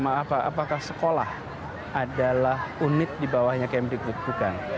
apakah guru atau apakah sekolah adalah unit di bawahnya kemdikbud bukan